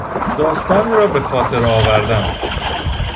داستانی را به خاطر آوردن